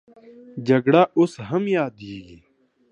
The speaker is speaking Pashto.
جګړه اوس هم یادېږي.